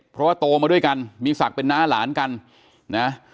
เพราะว่าโตมาด้วยกันมีศักดิ์เป็นน้าหลานกันนะ